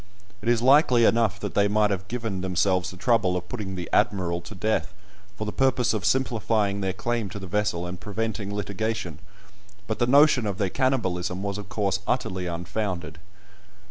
It is likely enough that they might have given themselves the trouble of putting "the Admiral" to death, for the purpose of simplifying their claim to the vessel and preventing litigation, but the notion of their cannibalism was of course utterly unfounded.